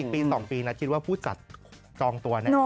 ปี๒ปีนะคิดว่าผู้จัดจองตัวแน่